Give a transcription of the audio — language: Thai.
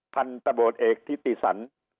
ทันตะโบดเอกทิศีสัน